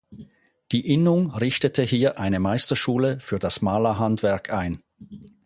Die Innung richtete hier eine Meisterschule für das Malerhandwerk ein.